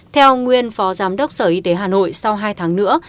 theo nguyên phó giám đốc sở y tế hà nội sau hai tháng nữa